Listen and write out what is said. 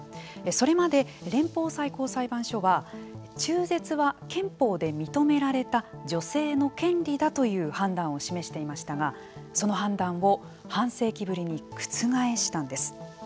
それまで連邦最高裁判所は中絶は憲法で認められた女性の権利だという判断を示していましたがその判断を半世紀ぶりに覆したんです。